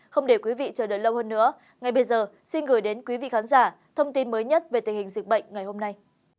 không để quý vị chờ đợi lâu hơn nữa ngay bây giờ xin gửi đến quý vị khán giả thông tin mới nhất về tình hình dịch bệnh ngày hôm nay